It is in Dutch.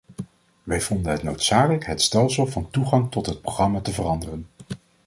Wij vonden het noodzakelijk het stelsel van toegang tot het programma te veranderen.